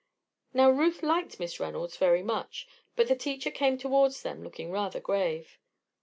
Now, Ruth liked Miss Reynolds very much, but the teacher came towards them, looking rather grave.